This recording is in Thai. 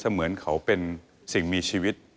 เหมือนเขาเป็นสิ่งมีชีวิต